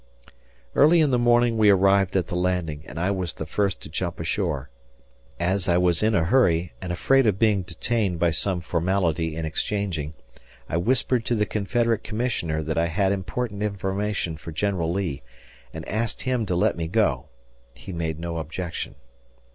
Early in the morning we arrived at the landing, and I was the first to jump ashore. As I was in a hurry, and afraid of being detained by some formality in exchanging, I whispered to the Confederate Commissioner that I had important information for General Lee, and asked him to let me go. He made no objection.